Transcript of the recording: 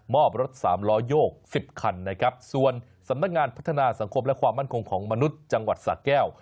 อบรถสามล้อโยก๑๐คันนะครับส่วนสำนักงานพัฒนาสังคมและความมั่นคงของมนุษย์จังหวัดสะแก้ว